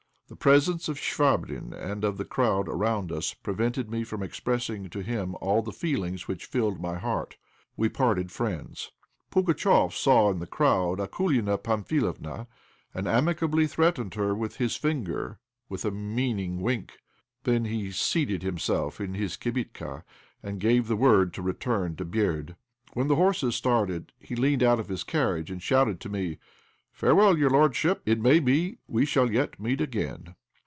The presence of Chvabrine and of the crowd around us prevented me from expressing to him all the feelings which filled my heart. We parted friends. Pugatchéf saw in the crowd Akoulina Pamphilovna, and amicably threatened her with his finger, with a meaning wink. Then he seated himself in his "kibitka" and gave the word to return to Berd. When the horses started, he leaned out of his carriage and shouted to me "Farewell, your lordship; it may be we shall yet meet again!"